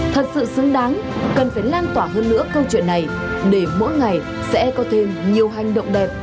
thật sự xứng đáng cần phải lan tỏa hơn nữa câu chuyện này để mỗi ngày sẽ có thêm nhiều hành động đẹp